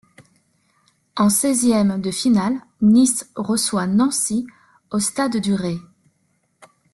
En seizièmes de finale, Nice reçoit Nancy au stade du Ray.